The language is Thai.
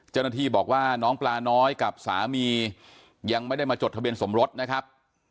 เจ้าหน้าที่บอกว่าน้องปลาน้อยกับสามียังไม่ได้มาจดทะเบียนสมรสนะครับ